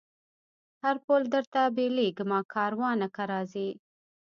هر پل درته بلېږمه کاروانه که راځې